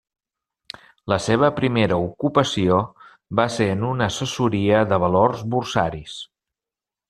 La seva primera ocupació va ser en una assessoria de valors borsaris.